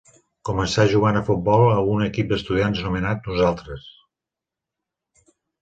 Començà jugant a futbol a un equip d'estudiants anomenat Nosaltres.